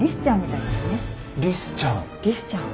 リスちゃん。